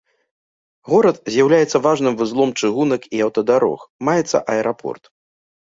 Горад з'яўляецца важным вузлом чыгунак і аўтадарог, маецца аэрапорт.